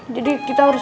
jadi kita harus